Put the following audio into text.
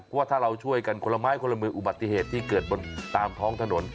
ว่าถ้าเราช่วยกันคนละไม้คนละมืออุบัติเหตุที่เกิดบนตามท้องถนน